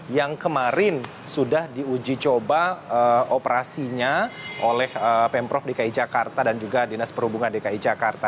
yang kemarin sudah diuji coba operasinya oleh pemprov dki jakarta dan juga dinas perhubungan dki jakarta